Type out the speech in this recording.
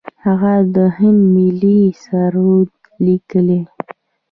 هغه د هند ملي سرود لیکلی.